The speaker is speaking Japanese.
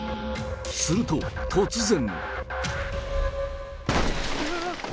すると突然。